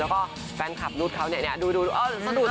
แล้วก็แฟนคลับนุษย์เขาเนี่ยดูสนุก